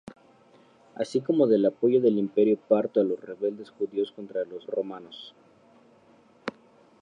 Así como del apoyo del Imperio Parto a los rebeldes judíos contra los romanos.